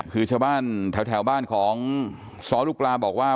คือชาวบ้านแถวบ้านของซ้อลูกปลาบอกว่า